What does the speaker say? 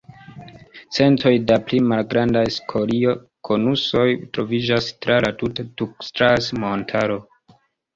Centoj da pli malgrandaj skorio-konusoj troviĝas tra tuta la Tukstlas-Montaro.